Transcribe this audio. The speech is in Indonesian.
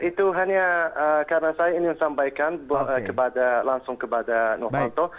itu hanya karena saya ingin sampaikan langsung kepada novanto